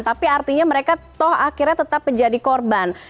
tapi artinya mereka toh akhirnya tetap menjadi korban